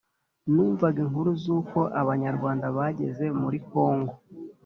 numvaga inkuru zuko abanyarwanda bageze muri congo